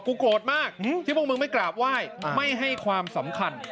โกรธมากที่พวกมึงไม่กราบไหว้ไม่ให้ความสำคัญ